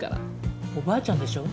おばあちゃんでしょ？